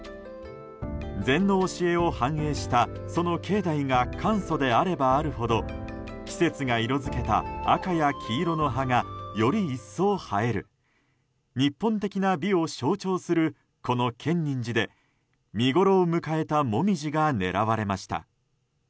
禅の教えを反映したその境内が簡素であればあるほど季節が色づけば赤や黄色の葉がより一層映える日本的な美を象徴するこの建仁寺で見ごろを迎えたモミジが狙われました。